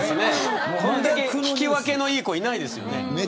これだけ聞き分けのいい子いないですよね。